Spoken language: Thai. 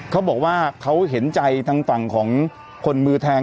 เขาบอกว่าเขาเห็นใจทางฝั่งของคนมือแทง